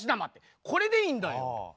これでいいんだよ。